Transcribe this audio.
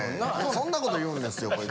そんなこと言うんですよ